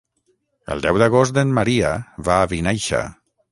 El deu d'agost en Maria va a Vinaixa.